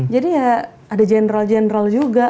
jadi ya ada general general juga